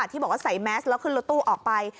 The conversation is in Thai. ที่บอกว่าใส่แมสแล้วขึ้นรถตู้ออกไป